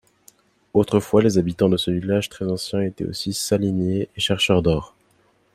Autrefois les habitants de ce village très ancien étaient aussi saliniers et chercheurs d'or.